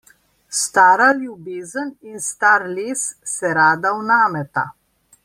Stara ljubezen in star les se rada vnameta.